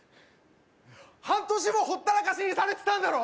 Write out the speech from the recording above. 半年もほったらかしにされてたんだろ？